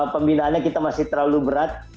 pembinaannya kita masih terlalu berat